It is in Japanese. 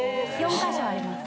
４カ所あります。